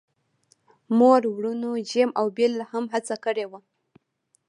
مور وروڼو جیم او بیل هم هڅه کړې وه